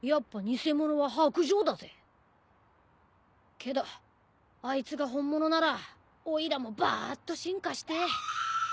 けどあいつが本物ならおいらもばーっと進化して。